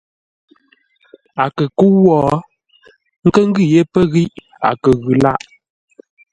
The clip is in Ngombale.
A kə kə́u wó nkə́ ngʉ̂ yé pə́ ghíʼ a kə ghʉ lâʼ.